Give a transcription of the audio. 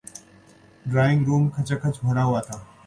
Drawing room کھچا کھچ بھرا ہوا تھا۔